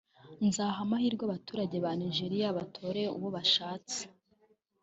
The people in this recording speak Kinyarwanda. nzaha amahirwe abaturage ba Nigeria batore uwo bashatse